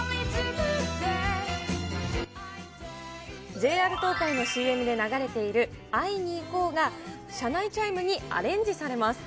ＪＲ東海のＣＭで流れている、会いにいこうが、車内チャイムにアレンジされます。